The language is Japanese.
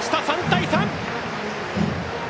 ３対３。